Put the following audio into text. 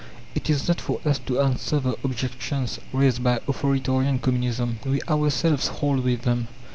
It is not for us to answer the objections raised by authoritarian Communism we ourselves hold with them.